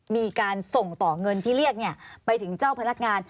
มีการส่งต่อเงินที่เรียกไปถึงเจ้าพนักงาน